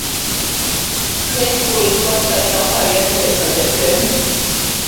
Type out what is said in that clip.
Liec tūlīt pat tai telpā ierasties aģentiem!